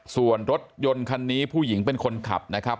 ส่วนรถยนต์คันนี้ผู้หญิงเป็นคนขับนะครับ